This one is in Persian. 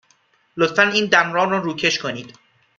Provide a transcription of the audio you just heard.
لطفاً این دندان را روکش کنید.